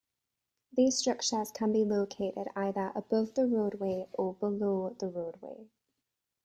These structures can be located either above the roadway or below the roadway.